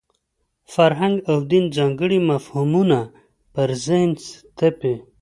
فرهنګ او دین ځانګړي مفهومونه پر ذهن تپي.